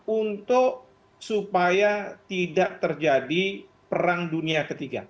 untuk supaya tidak terjadi perang dunia ketiga